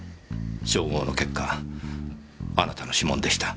照合の結果あなたの指紋でした。